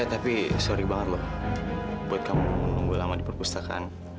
tapi sorry banget loh buat kamu menunggu lama di perpustakaan